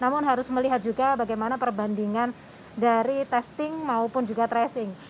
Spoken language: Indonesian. namun harus melihat juga bagaimana perbandingan dari testing maupun juga tracing